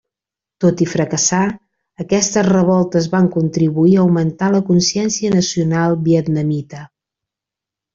Tot i fracassar, aquestes revoltes van contribuir a augmentar la consciència nacional vietnamita.